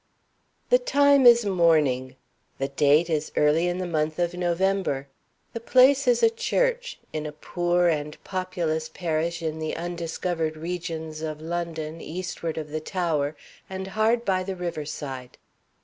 The time is morning; the date is early in the month of November. The place is a church, in a poor and populous parish in the undiscovered regions of London, eastward of the Tower, and hard by the river side.